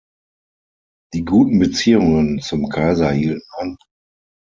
Die guten Beziehungen zum Kaiser hielten an.